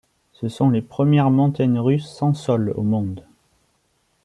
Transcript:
Ce sont les premières montagnes russes sans sol au monde.